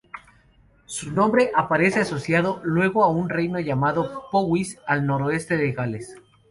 Su nombre aparece asociado luego a un reino llamado "Powys", al noroeste de Gales.